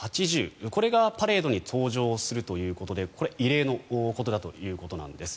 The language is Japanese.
これがパレードに登場するということでこれ、異例のことだということなんです。